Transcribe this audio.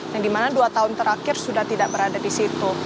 yang dimana dua tahun terakhir sudah tidak berada di situ